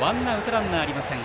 ランナーはありません。